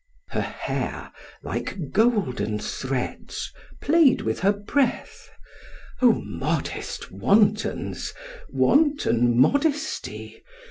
Her hair, like golden threads, play'd with her breath; O modest wantons! wanton modesty!